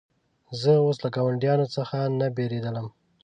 زه اوس له ګاونډیانو څخه نه بېرېدلم.